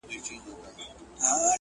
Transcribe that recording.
سړي وویل وراره دي حکمران دئ!!